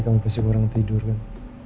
kamu pasti kurang tidur kan